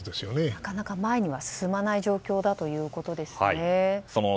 なかなか前には進まない状況だということですね。